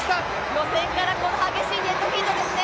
予選からこの激しいデッドヒートですね。